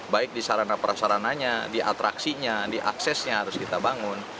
baik di sarana prasarananya di atraksinya di aksesnya harus kita bangun